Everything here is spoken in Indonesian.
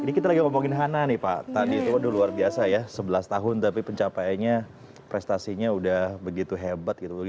ini kita lagi ngomongin hana nih pak tadi itu waduh luar biasa ya sebelas tahun tapi pencapaiannya prestasinya udah begitu hebat gitu